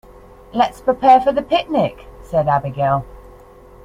"Let's prepare for the picnic!", said Abigail.